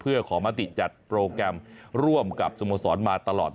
เพื่อขอมติจัดโปรแกรมร่วมกับสโมสรมาตลอด